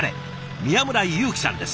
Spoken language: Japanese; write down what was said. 宮村祐貴さんです。